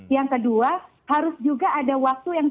yang kedua harus juga ada waktu yang